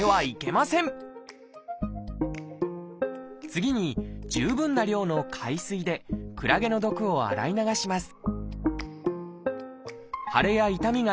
次に十分な量の海水でクラゲの毒を洗い流します